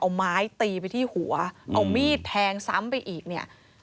เอาไม้ตีไปที่หัวเอามีดแทงซ้ำไปอีกเนี่ย